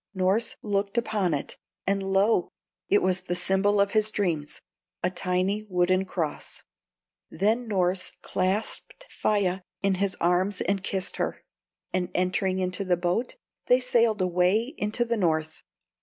Norss looked upon it, and lo! it was the symbol of his dreams, a tiny wooden cross. Then Norss clasped Faia in his arms and kissed her, and entering into the boat they sailed away into the North.